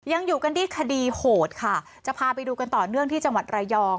ยังอยู่กันที่คดีโหดค่ะจะพาไปดูกันต่อเนื่องที่จังหวัดระยอง